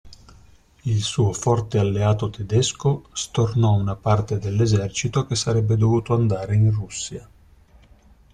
Il suo forte alleato tedesco stornò una parte dell'esercito che sarebbe dovuto andare in Russia.